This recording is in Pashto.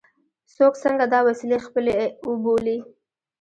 څوک څنګه دا وسیلې خپلې وبولي.